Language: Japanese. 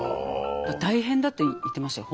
大変だって言ってましたよ